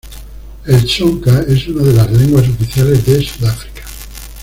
El tsonga es una de las lenguas oficiales de Sudáfrica.